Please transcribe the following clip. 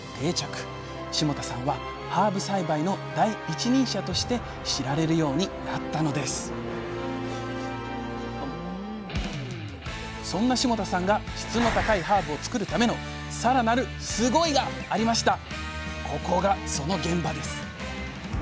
霜多さんはハーブ栽培の第一人者として知られるようになったのですそんな霜多さんが質の高いハーブを作るためのさらなるスゴイ！がありました。